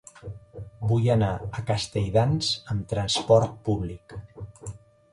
Vull anar a Castelldans amb trasport públic.